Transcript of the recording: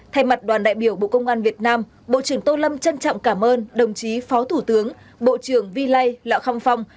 thay mặt đoàn đại biểu bộ công an việt nam bộ trưởng tô lâm trân trọng cảm ơn đồng chí phó thủ tướng bộ trưởng vi lây lạ khăm phong